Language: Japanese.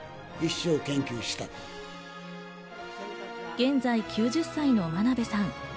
現在９０歳の真鍋さん。